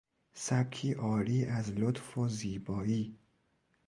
سبکی عاری از لطف و زیبایی